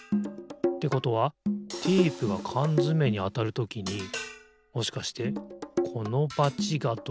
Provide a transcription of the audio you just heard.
ってことはテープがかんづめにあたるときにもしかしてこのバチがドミノをたおす？